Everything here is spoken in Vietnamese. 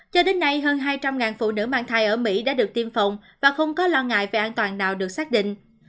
cho đến nay hơn hai trăm linh phụ nữ mang thai ở mỹ đã được tiêm phòng và không có lo ngại về an toàn nào được xác định